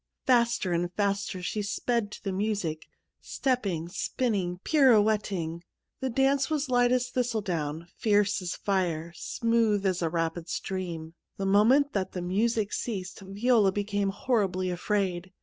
Faster and faster she sped to the musiCj stepping, spinning, pirou etting ; the dance was light as thistle down, fierce as fire, smooth as a rapid stream. The moment that the music ceased Viola became horribly afraid.